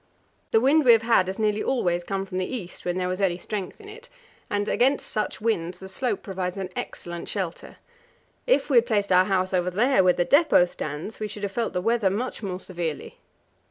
The wind we have had has nearly always come from the east, when there was any strength in it, and against such winds the slope provides an excellent shelter. If we had placed our house over there where the depot stands, we should have felt the weather much more severely.